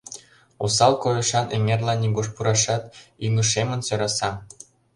осал койышан эҥерлан нигуш пурашат, ӱҥышемын сӧраса.